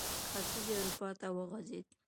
ختیځې اروپا ته وغځېد.